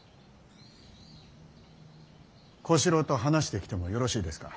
小四郎と話してきてもよろしいですか。